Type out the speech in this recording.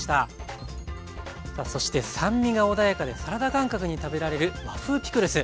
さあそして酸味が穏やかでサラダ感覚に食べられる和風ピクルス。